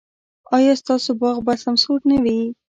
ایا ستاسو باغ به سمسور نه وي؟